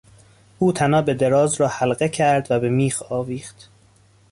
او طناب دراز را حلقه کرد و به میخ آویخت.